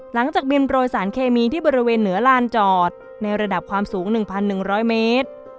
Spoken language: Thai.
หลังจากบินโรยสารเคมีที่บริเวณเหนือลานจอดในระดับความสูง๑๑๐๐เมตร